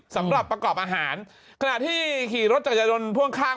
สำหรับประกอบอาหารขณะที่ขี่รถจักรยายนต์พ่วงข้าง